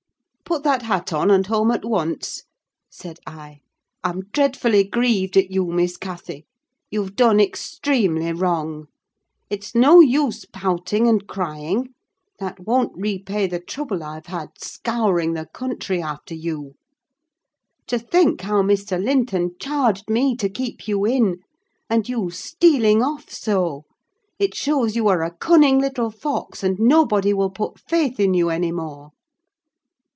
"Put that hat on, and home at once," said I. "I'm dreadfully grieved at you, Miss Cathy: you've done extremely wrong! It's no use pouting and crying: that won't repay the trouble I've had, scouring the country after you. To think how Mr. Linton charged me to keep you in; and you stealing off so! It shows you are a cunning little fox, and nobody will put faith in you any more."